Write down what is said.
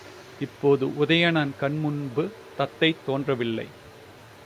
இப்போது உதயணன் கண் முன்பு தத்தை தோன்றவில்லை.